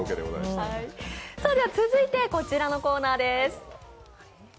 続いてこちらのコーナーです。